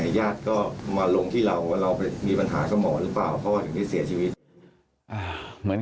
ครับว่าสิ่งที่ให้เราไปทำเอาไปเก็บมันถูกหรือไม่